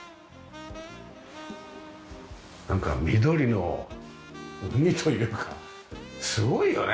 なんか緑の海というかすごいよね。